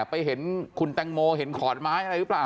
ไปเห็นคุณแตงโมเห็นขอนไม้อะไรหรือเปล่า